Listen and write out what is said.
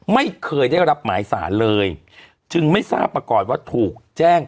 ไม่เคยได้รับหมายสารเลยจึงไม่ทราบมาก่อนว่าถูกแจ้ง